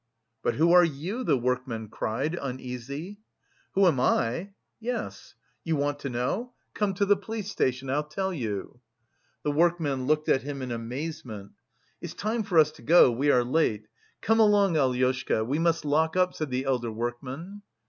"But who are you?" the workman cried, uneasy. "Who am I?" "Yes." "You want to know? Come to the police station, I'll tell you." The workmen looked at him in amazement. "It's time for us to go, we are late. Come along, Alyoshka. We must lock up," said the elder workman.